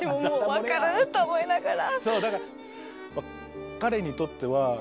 分かると思いながら。